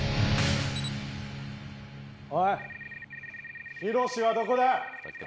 おいヒロシはどこだ？